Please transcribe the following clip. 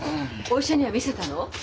お医者には診せたの？